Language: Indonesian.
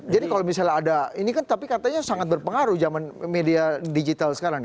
jadi kalau misalnya ada ini kan tapi katanya sangat berpengaruh jaman media digital sekarang